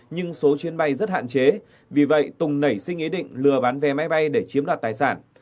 nhưng số chuyến bay rất hạn chế vì vậy tùng nảy sinh ý định lừa bán vé máy bay để chiếm đoạt tài sản